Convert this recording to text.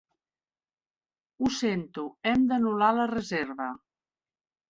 Ho sento, hem d'anul·lar la reserva.